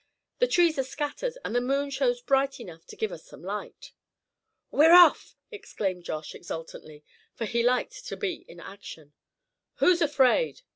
The trees are scattered, and the moon shows bright enough to give us some light." "We're off!" exclaimed Josh, exultantly, for he liked to be in action. "Who's afraid?"